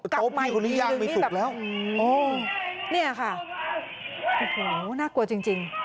กลับมาอีกทีหนึ่งนี่แบบโอ้โฮนี่ค่ะโอ้โฮน่ากลัวจริง